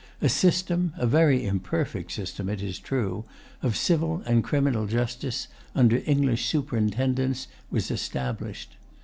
A system, a very imperfect system, it is true, of civil and criminal justice, under English superintendence, was established.